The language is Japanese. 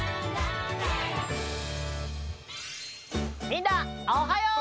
みんなおはよう！